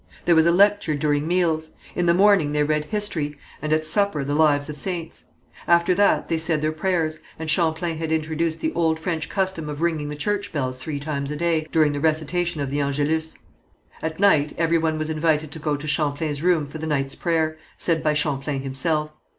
There was a lecture during meals; in the morning they read history, and at supper the lives of saints. After that they said their prayers, and Champlain had introduced the old French custom of ringing the church bells three times a day, during the recitation of the Angelus. At night, every one was invited to go to Champlain's room for the night's prayer, said by Champlain himself.